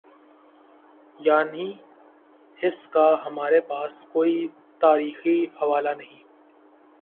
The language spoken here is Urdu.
یانہیں، اس کا ہمارے پاس کوئی تاریخی حوالہ نہیں۔